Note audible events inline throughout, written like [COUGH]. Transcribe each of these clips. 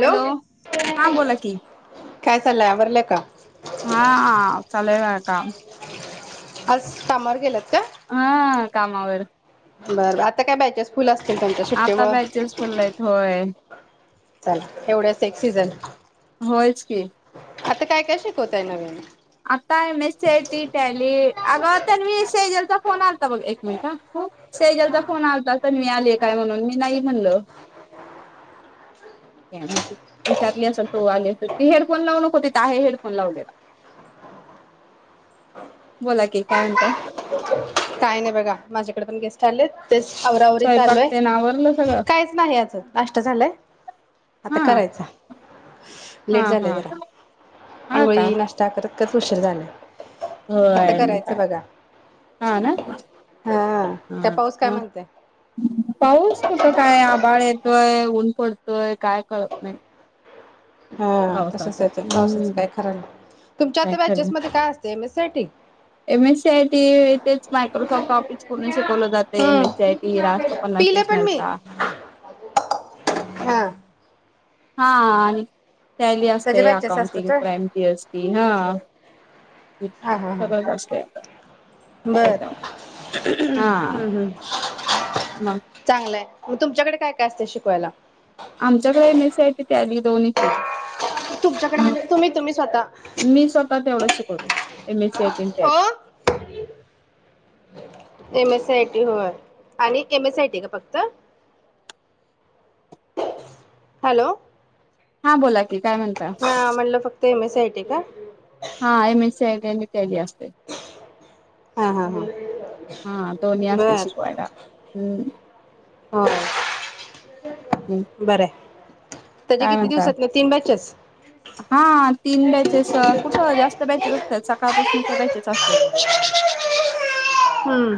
Hello, हा बोला कि काय चाललंय आवरलं का हा चालू आहे बघा काम आज कामावर गेलात काय हा कामावर बरं बरं आता काय बॅचेंस आता बॅचल्स खुल्या आहेत होय. चला तेवढचं एक सीझन होयच की, आता काय काय शिकवताय नवीन आताय M S C IT, tally अगं तन्वी सेजलचा फोन आलता बघ, एक मिनिट सेजलचा फोन आलता तन्वी आली काय म्हणून, मी मी नाही म्हणलं काय माहिती, विचारली असल तो आली अस ती हेडफोन लावु नको तिथं आहे हेडफोन लावलेला. बोला की काय म्हणताय. काय नाही बघा माझ्याकडे पण गेस्ट आलेत तेच अवरावरी स्वयंपाक चालूय हाय, तेन आवरलं सगळं काहीच नाही आजून नाष्टा झालंय आता हा करायचा हा लेट हा झालाय जरा हा का आंघोळी नाष्टा करत कच उशिर झालाय. आता होय मग करायचं काय, बघा हा ना, हा काय हा पाऊस काय म म्हणते पाऊस कुठं काय आभाळ येत येतय ऊन पडतयं काय कळत नाही. हा तसच पावसाचं हाय ते पावसाच हम्म काय खर नाही. तुमच्या काय आता खरं बॅचेस मध्ये काय असतय, एम एस साठी एम एस सी आयटी तेच मायक्रोसॉफ्ट टाॅपिकस पूर्ण शिकवलं जातय. एम एस सी हम्म आयटी रास्तो पन्ना पिले पण मी स्टेशनलचा, हा हा आणि टॅली त्याच्या असतय, बॅचेस असतात अकाउंटिंग होय. प्राईम जीएसटी हा. हा, हा, हा, सगळंच असते बर त्याच्यावर हा हम्म हम् मग चांगलंय. मग तुमच्याकडे काय काय असतय शिकवायला. आमच्याकडे एम एस सीआटीच टॅली दोन्ही तुमच्याकडे म्हणजे तुम्ही तुम्ही स्वतः हो एम एस सी हो eighty [UNINTELLIGIBLE] M S C I T होय आणि एम एस आय टी का फक्त. हॅलो? हां बोला की काय म्हणता हा म्हटलं फक्त एम एस आय टी का? हा M S C I T आणी टॅली असतय. हा हा हा हा दोन्ही असतय शिकवायला, हम्म. होय, बरंय. काय म्हणता, हा तीन बॅचेस कुठं जास्त बॅचेस असतात, सकाळपासून त्या बॅचेस असत्यात. हम्म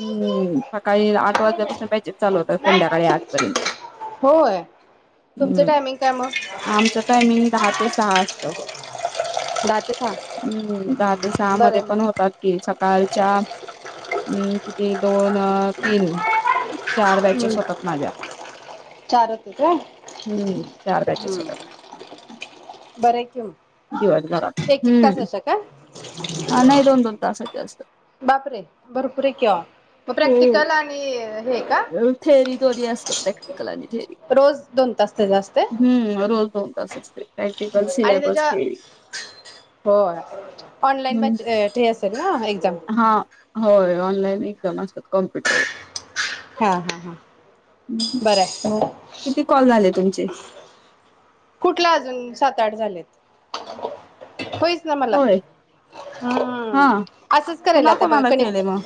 हम्म सकाळी आठ वाजल्यापासून बॅचेस चालू होतात, संध्याकाळी आठ पर्यंत. होय तुमचं हम् टायमिंग काय मग? आमचं टायमिंग दहा ते सहा असतं. दहा ते सहा. हम् दहा ते सहा बरं मध्ये आहे पण मग. होतात, कि सकाळच्या हम् ते [UNINTELLIGIBLE] चार हम्म बॅचेस होतात माझ्या, चार होते काय? हम् चार बॅचेस होतात. बरं आहे की मग. [UNINTELLIGIBLE] एक एक हम्म तासाच्या का? हा नाही दोन दोन तासाच्या असतात. बापरे भरपूरे किवो मग हो प्रॅक्टिकल आणि हे का? थेअरी दोन्ही असतं प्रॅक्टिकल आणि थेअरी रोज दोन तास त्याच असतय. हम्म [UNINTELLIGIBLE] प्रॅक्टिकल सिलेबस थेरी होय ऑनलाईन हम्म बैचस असतात. [UNINTELLIGIBLE] हा. होय ऑनलाईन एक्झाम असतात, कॉम्प्युटरवर. हा, हा, हा. हम् बरं आहे. मग किती कॉल झाले तुमचे? कुठला अजून सात आठ झालेत होय होय हा म् असंच करायला कुणा आता बघ कोणाला क केले मग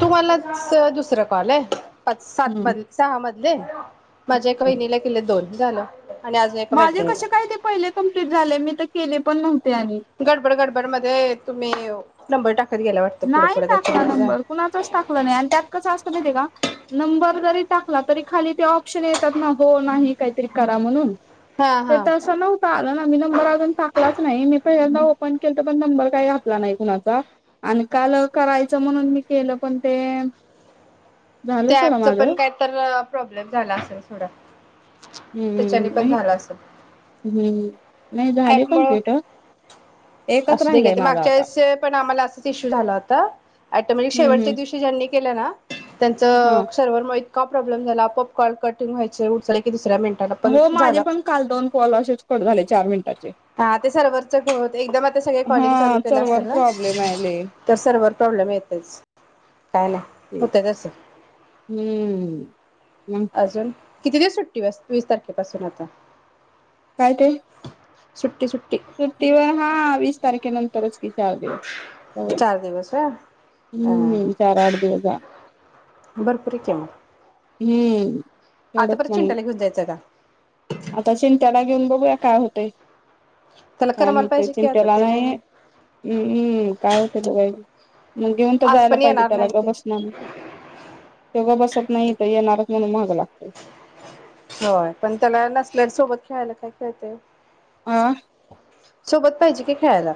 तुमलाच दुसरं. कले आहे [INAUDIBLE] पाच सात हम्म मध्ये सहा मध्ये दे. माझ्या एका हम्म. वहिणीला केले दोन. झालं. आणि अजून एका माझे कसे काय मैत्रिणीला ते पहिले कंप्लीट झाले मी तर केले पण नव्हते. आणि गडबड गडबड मध्ये म नंबर टाकले. नाही टाकला नंबर कुणाचच टाकला नाही आणि त्यात कसं असतं माहिती का नंबर जरी टाकला तरी खाली ते ऑप्शन येतात ना हो नाही काहीतरी करा म्हणून हा ते हा तर असं नव्हत आलं ना मी नंबर अजून टाकलाच नाही मी पहिल्यांदा ओपन केल तर पण नंबर काही घातला नाही कुणाचा. आणि काल करायचं म्हणून मी केलं पण ते झालं त्या सोडा ऍपच पण माझं काय तर प्रॉब्लेम झाला असेल. त्याच्यानी हम्म पण नाही झाला असेल. हम्म. नाही झाले ॲपमुळ कमप्लीट एकच असूद्या घ्या राहिलय ते माझा मागच्या आता वेळेस पण आम्हाला अस इशू झाला होता. ऑटोमॅटिक हम्म शेवटच्या हम्म दिवशी ज्यांनी केलं ना. त्यांचं हा सर्वर म का प्रॉब्लेम झाला आपोआप कॉल कटिंग व्हायचे उचलाय गेलीस हो माझे पण काल दोन कॉल असेच कट झाले चार मिनिटाचे. हा ते सर्व्हरच घोळ होतय, एकदम आता सगळे हा कॉलिंग चालू केलं सर्वर असेल ना प्रॉब्लेम आले तर प्रॉब्लेम येतच काय नाही होत तस. हम्म मग अजून किती दिवस सुट्टी वीस तारखेपासून आता काय ते? सुट्टी सुट्टी तरच की चार दिवस हो चार दिवस हा हम्म हा चार आठ दिवस ह भरपूर की मग ह्ं आता परत चिंटाला घेऊ जायचंय का आता चिंट्याला घेऊन बघूया काय होतय? त्याला ह मग करमाला ते पाहिजे की आता चिंट्याला ते नाहीे नाही हम्म काय होतेय बघूया की. मग घेऊन तर आज जायला पण पाहिजे येणार त्याला नाही ते गबसणारत तो गप्प बस नाही तर येणारच म्हणून महाग लागत. होय पण त्याला नसल्या सोबत खेळायला काय खळते. हां सोबत पाहिजे की खेळायला.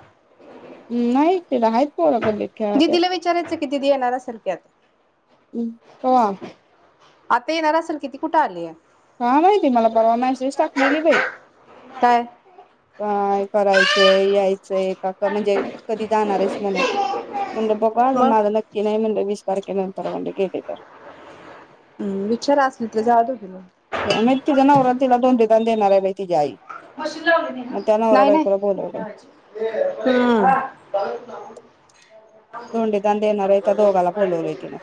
नाही तीथ आहेत पोर गल्लीत खेळाय त्याला दिदीला विचारायचं की दिदी येणार असेल की आता कवा आता येणार असेल किती कुठं आलीय हा माहिती मला परवा मॅसेज टाकलेली बाई काय काय कराय ते [UNINTELLIGIBLE] का म्हणजे कधी जाणारच म्हणून म्हणलं बघु अजून मग माझं नक्की नाही म्हणल तारखेनंतर म्हणलं गेलेतर. विचार असेल तर जातोत मग. काय माहितीचा नवरा तिला धोंडदान देणारय बाई. तिची आई. मग त्या नवरा नाही बायकोला बोलवलंय नाही हम्म धोंडेदान देणार आहे त्या दोघाला बोलवलंय तिनं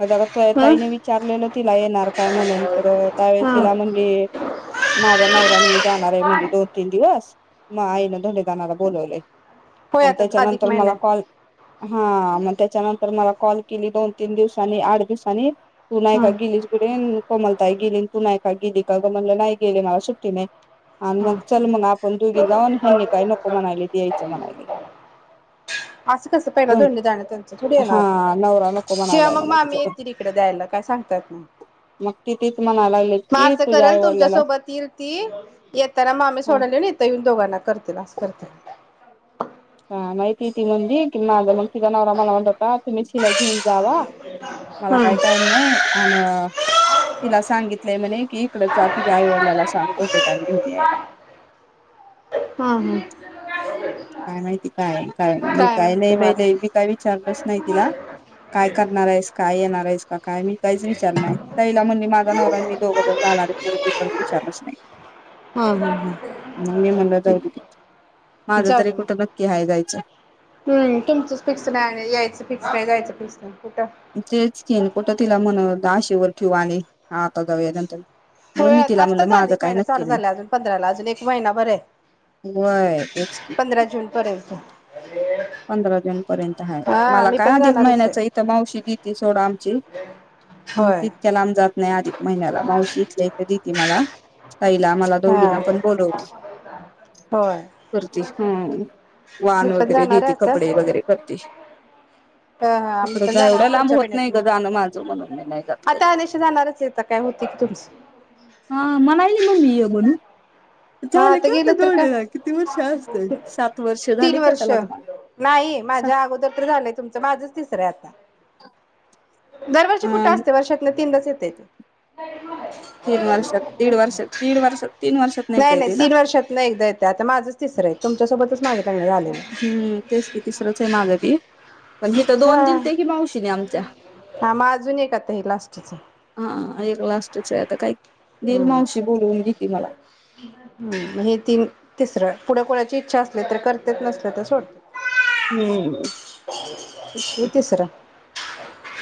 मग असं हम्म ताईने विचारलेलं तिला येणार काय म्हणून तर त्यावेळेस हम्म तिला म्हणजे माझा नवरान मी जाणार आहे. म्हणली दोन तीन दिवस म गआईने धोंडे दानाला बोलावलंय. होय आणि आता अधिक त्याच्यानंतर महिना मला आहे कॉल हा मग त्याच्यानंतर मला कॉल केली दोन तीन दिवसांनी आठ दिवसांनी. तू नाही का हम्म गेलीस कुठे कोमल? ताई काय गेली तू नाहीय काय गेली काग म्हणला नाही गेली माला सुट्टी नाही. आणि हम्म मग चल मग आपण दुघी जाऊन हनी काय नको म्हणायली यायचं म्हणायली. असं कसं पहिला दधोंडी जाणं त्यांच थोडी हा येणार नवरा नको किंवा म्हणायलाय मग म्हणे मामी तिच्याकडे येतील तकडे द्यायला काय सांगतायात ना मग ती तीच म्हणायला लागलेत मग की असं तुझ्या आई करेल तुमच्या वडिलाला सोबत येईल ती येताना मामी हा सोडाली इथं येऊन दोघांना करतील असं करतील. हा माहिती य ती मंदिर [UNINTELLIGIBLE] माज मग तिजा नवरा म्हणत व्हता तुमही शिलाई की घेऊन जावा मला हम्म काही टाईम नाही अन तिला सांगितलंय म्हणे कि इकडच जा तुझ्या आईवडिलाला सांग धोंडे दान घेऊन यायला. हा हा काय माहिती काय काय नाही मी काय माहिती नाही मग बाई आता मी काय लई विचारलच नाही तिला काय करणार आहेस काय येणार आहेस? का काय मी काहीच विचारलं नाही ताईला म्हणली माझा नवरा अन् मी दोघ जाणार आहेत म्हणून मी परत विचारलंच नाही हम्म हम्म हम्म मग मी म्हणलं जाऊ दे तिकड [UNINTELLIGIBLE] तरी कुठ नक्की हाय जायचं. हम् तुमचच फिक्स नाही आणि यायचं फिक्स नाही जायचं फिक्स नाही. कुठं तेच किन कुठं तिला म्हणाव त आशेवर. क्युवानी होय म्हणलं आत्ताच माझं आधिक काय महिना नक्की चालू झाला नाही अजून पंधराला अजून एक महिनाभर हे. वय तेच की पंधरा जून पर्यंत. पंधरा दिन पर्यंत हाय. हा मला मी काय पण अधिक जाणारच आहे महिन्याचा इथ मावशी देती सोडा आमची. [UNINTELLIGIBLE] होय ईतक्या लांब जा नाही आधिक महिन्याला मावशी इथल्या ईथं देती मला ताईला मला हा दोघीना पण बोलवती होय करती हं मी वान पण वगैरे देती कपडे वगैरे करती. अ हा आम्ही पण जाणार पुढच्या होत नाही ग बहिण्यातून जाणं माझं म्हणून मी नाही जात आ कधी त्या निशी जाणारच येत काय होते की तुम हा मलायली म मी म्हणून. ह झालं आता की गेलं तर काय, दोन किती वर्ष असत सात वर्ष तीन झाली की आता वर्ष लग्नाला नाही अ माझ्या अगोदर तर झालंय तुमचं माझच तिसरंय आता. [INAUDIBLE] दरवर्षी कुठं असतयं वर्षातन तीनदाच येतयं ते - - तीन वर्षात दीड वर्षात दीड वर्षात तीन वर्षात नाही. नाही नाही येते ना तीन वर्षातन एकदा येत आता माझंच तिसरं आहे तुमच होतच नाय हम्म तेच की तिसरंच हाय माझं बी पण हीथ दोन हा दिलत्या की मावशी ने आमच्या, हा मग अजून एक आता हे लास्टच हा एक लास्टच हाय आता काही दिल हम्म. मावशी बोलवून घिती मला. हम् हे तीन तिसरं - - पुढं कोळाची इच्छा असली तर करतेत नसल्या तर सोड हम्म हे तिसरं.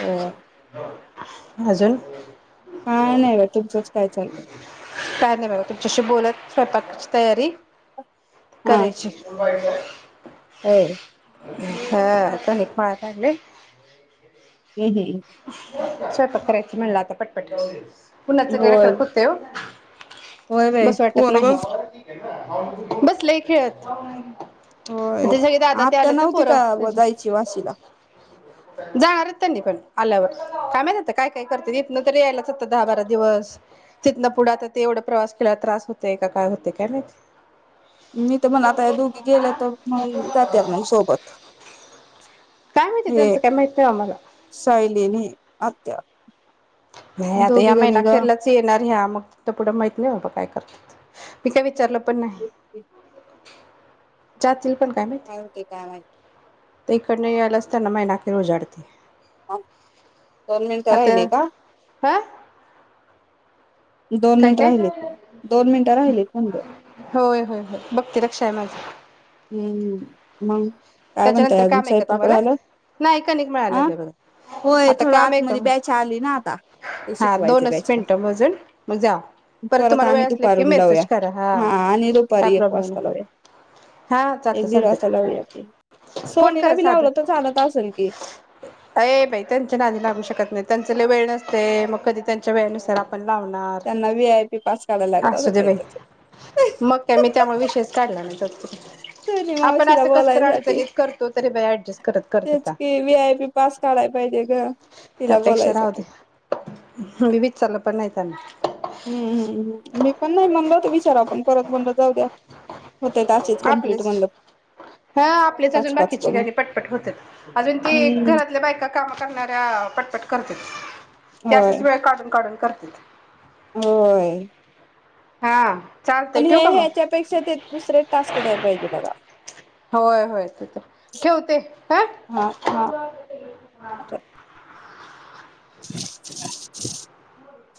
हो अजून - - काय नाही बघा. तुमचंच काय चाललंय. काय नाही बघा तुमच्याशी बोलत स्वयंपाकची तयारी - - हा करायची. होय हा कनिक मळा लागलंय. किली सैपाक करायचं म्हणलं आता पटपट. ऊनाच काय होय रकरक होतंय ओ. होय बाई बसु वाटत पोरग नाही. बसलयं. खेळतं तर होय ते सगळे दादा ते आत्या आलेत ना नव्हती पोरं का जायची वाशीला जाणार त्यांनी पण - - आल्यावर काय मात काय काय करते इथनं तरी यायलाच आता दहा बारा दिवस तिथनं पुढे आता ते एवढा प्रवास तीला त्रास होतय का काय होतेय काय माहित? मी तर म्हण आता या दोघी गेल्या तर मग जाते आपणं सोबत. काय माहिती हे त्यांचं काय माहित नाही आम्हाला सायली नी आत्या नाही. आता या दोघी महीना जणी ग अखेरलाच येणार ह्या आता पुढं माहित नाही बाबा काय करत्यात मी काय विचारलं पण नाही. काय जातील काय हुतयं काय माहित. इकड यायलाच त्यांना महिना अखेर उजाडती. हान दोन मिनट राहिले का? हं दोन मिनिटं काय-काय राहिलेत ना दोन मिनिटं होय. राहिलेत म्हणलं होय. होय. बघते लक्ष टायमाचं हम्म मगं त्याच्यानंतर काम आहे का तुम्हाला? नाही कणिक मिळायला हा लागतोय बघ होय आता थोडं काम आहे का आतमध्ये बॅच आली ना आता म्हटलं ते हा शिकवायचं दोनच बॅचला मिनिटं मोजून मग जावा. परत तुम्हाला आणि वेळ असला कि दुपारून लावूया मेसेज करा. हा आणि काय दुपारी एक प्रॉब्लेम नाही. वाजता लावूया हा चालत एक दीड वाजता चालतंय लावूया आप्पे फोन करा साध की अ ये बाई त्यांच्या नादी लागू शकत नाही. त्यांचे वेळ नसते मग कधी त्यांच्या वेळेनुसार आप आपण लावणार त्यांना व्ही आय पी पास काढायला लागत असू असेल दे बाई त्याच्यात मग काय मी त्यामुळे विशेष काढला नाही सोनी आपण मावशीला अस कस बोलायसाठी [UNINTELLIGIBLE] करतो तरी बी ऍडजस्ट करत-करत तेच होता. की व्ही आय पी पास काढाय पाहिजे ग तिला त्यापेक्षा राहू बोलायसाठी दे मी विचारलं पण नाहीत [UNINTELLIGIBLE] हम्म-हम्म मी पण नाही म्हणल होत विचारा परत म्हणलं जाऊ द्या. होते असेच कंप्लीट आपलेच म्हणलं हा आपलेच पाच अजून पाच बाकीची करून कणी पटपट होते अजून ते हम्म घरातल्या बायका काम करणाऱ्या पटपट करत्यात ते होय असच वेळे काढून-काढून करत्यात होय. हा. पण हे ह्याच्यापेक्षा ते दुसरे टास्क द्याय पाहिजे बघा होय-होय ते तर ठेवते ह हा हा [UNINTELLIGIBLE]